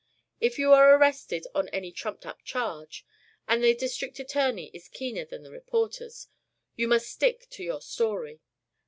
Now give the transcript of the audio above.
If you are arrested on any trumped up charge and the district attorney is keener than the reporters you must stick to your story.